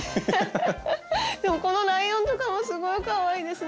フフフでもこのライオンとかもすごいかわいいですね。